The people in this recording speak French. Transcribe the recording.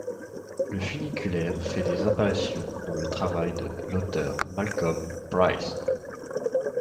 Le funiculaire fait des apparitions dans le travail de l'auteur Malcolm Pryce.